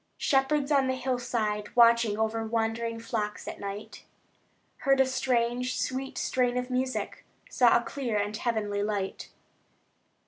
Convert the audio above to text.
Shepherds on the hillside, watching Over wandering flocks at night, Heard a strange, sweet strain of music, Saw a clear and heavenly light.